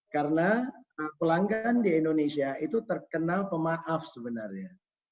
karena pelanggan di indonesia itu terkenal pemaaf sebenarnya